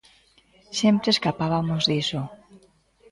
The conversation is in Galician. Sempre escapabamos diso.